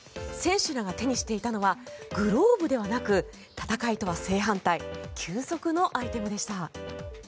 選手らが手にしていたのはグローブではなく戦いとは正反対休息のアイテムでした。